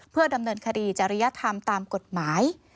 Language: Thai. เพื่อดำเนินคดีจริยธรรมตามกฎหมาย